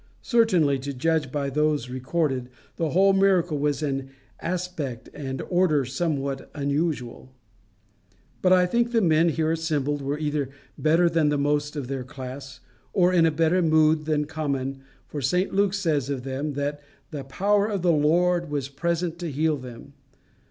Certainly, to judge by those recorded, the whole miracle was in aspect and order somewhat unusual. But I think the men here assembled were either better than the most of their class, or in a better mood than common, for St Luke says of them that the power of the Lord was present to heal them.